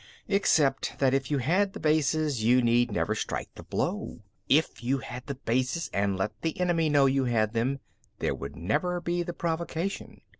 Except that if you had the bases, you need never strike the blow. If you had the bases and let the enemy know you had them, there would never be the provocation.